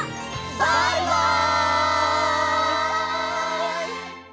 バイバイ！